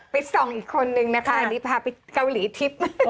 ไปส่องอีกคนหนึ่งนะคะพาไปเกาหลีทิป